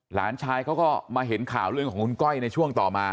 หลานชายเขาก็มาเห็นข่าวเรื่องของคุณก้อยในช่วงต่อมา